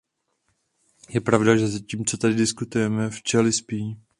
Je pravda, že zatímco tady diskutujeme, včely spí.